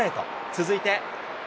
続いて。